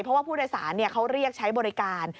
เพราะว่าผู้โดยสารเขาเรียกใช้บริการ